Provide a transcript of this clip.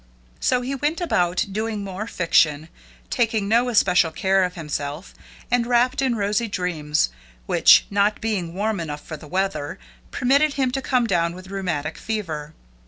So he went about doing more fiction, taking no especial care of himself, and wrapt in rosy dreams, which, not being warm enough for the weather, permitted him to come down with rheumatic fever.